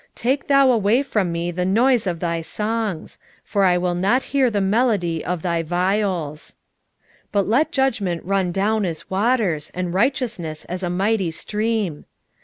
5:23 Take thou away from me the noise of thy songs; for I will not hear the melody of thy viols. 5:24 But let judgment run down as waters, and righteousness as a mighty stream.